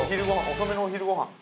遅めのお昼ご飯かな？